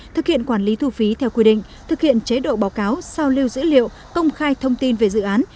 thực hiện quản lý thu phí theo quy định thực hiện chế độ báo cáo sao lưu dữ liệu công khai thông tin về dự án